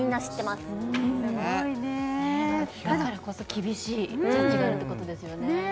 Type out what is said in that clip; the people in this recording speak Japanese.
すごいねだからこそ厳しいジャッジがあるっていうことですよね